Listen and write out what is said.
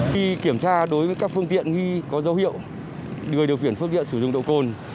khi kiểm tra đối với các phương tiện có dấu hiệu người điều kiển phương tiện sử dụng nồng độ cồn